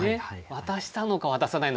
渡したのか渡さないのか。